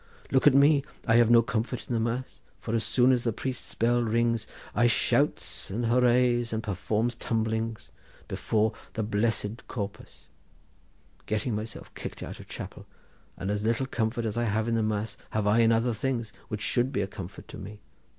Look at me: I have no comfort in the mass, for as soon as the priest's bell rings I shouts and hoorahs, and performs tumblings before the blessed corpus, getting myself kicked out of chapel, and as little comfort as I have in the mass have I in other things, which should be a comfort to me.